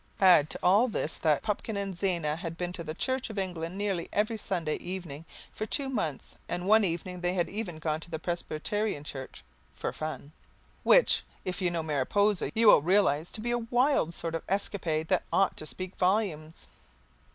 Add to all this that Pupkin and Zena had been to the Church of England Church nearly every Sunday evening for two months, and one evening they had even gone to the Presbyterian Church "for fun," which, if you know Mariposa, you will realize to be a wild sort of escapade that ought to speak volumes.